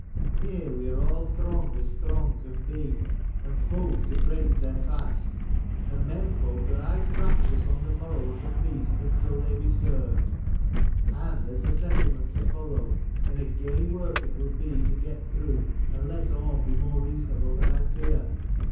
Here we are all throng as throng can be, and folk to break their fast: and men folk are aye fractious on the morrow of a feast until they be served. And there's the settlement to follow, and a gey work it will be to get through unless Orm be more reasonable than I fear.